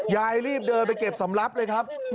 ยายรีบเดินไปเก็บสำรับเลยครับ